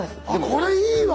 これいいわ。